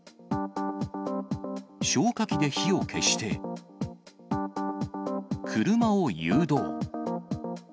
消火器で火を消して、車を誘導。